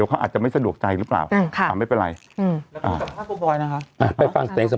ก็ตกใจเพราะฉะนั้นเ